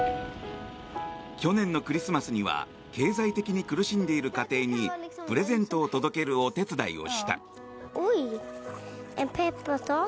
去年のクリスマスには経済的に苦しんでいる家庭にプレゼントを届けるお手伝いをした。